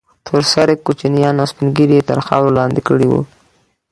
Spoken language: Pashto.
تور سرې كوچنيان او سپين ږيري يې تر خاورو لاندې كړي وو.